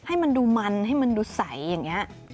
ให้มันดูมันให้มันดูใสอย่างนี้